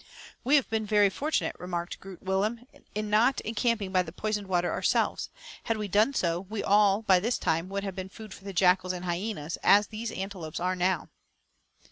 "We have been very fortunate," remarked Groot Willem, "in not encamping by the poisoned water ourselves. Had we done so, we would all, by this time, have been food for the jackals and hyenas, as these antelopes now are."